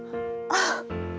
あっ。